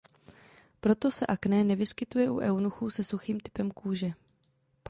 Proto se akné nevyskytuje u eunuchů se suchým typem kůže.